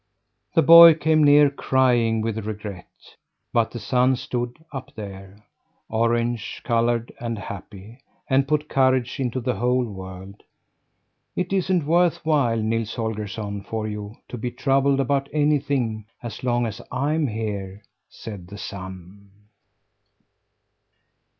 The boy came near crying with regret; but the sun stood up there orange coloured and happy and put courage into the whole world. "It isn't worth while, Nils Holgersson, for you to be troubled about anything, as long as I'm here," said the sun.